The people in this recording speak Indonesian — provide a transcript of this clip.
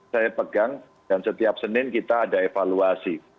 saya pegang dan setiap senin kita ada evaluasi